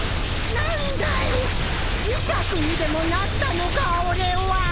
何だい磁石にでもなったのか俺は！？